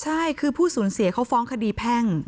ใช่คือผู้สูญเสียเขาฟ้องคดีแพ่ง